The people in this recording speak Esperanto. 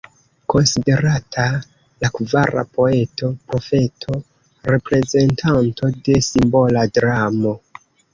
Konsiderata la kvara poeto-profeto, reprezentanto de simbola dramo.